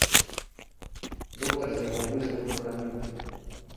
Доктар з яго выйшаў знакаміты.